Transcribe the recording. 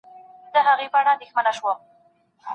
نجلۍ باید د خاوند لپاره ناسم معیارونه ونه ټاکي.